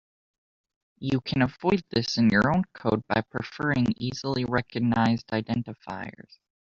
You can avoid this in your own code by preferring easily recognized identifiers.